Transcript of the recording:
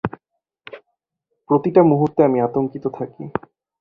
প্রতিটা মুহূর্তে আমি আতঙ্কিত থাকি।